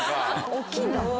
大っきいんだ。